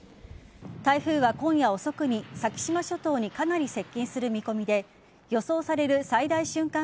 台風は今夜遅くに先島諸島にかなり接近する見込みで予想される最大瞬間